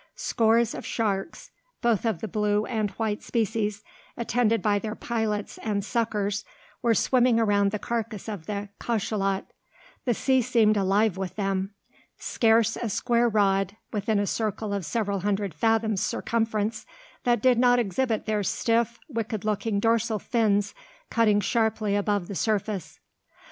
Scores of sharks, both of the blue and white species, attended by their pilots and suckers, were swimming around the carcass of the cachalot. The sea seemed alive with them. Scarce a square rod, within a circle of several hundred fathoms' circumference, that did not exhibit their stiff, wicked looking dorsal fins cutting sharply above the surface.